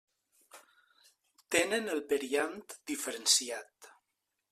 Tenen el periant diferenciat.